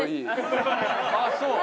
ああそう。